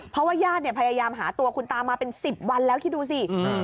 เพราะว่าญาติเนี่ยพยายามหาตัวคุณตามาเป็น๑๐วันแล้วคิดดูสิ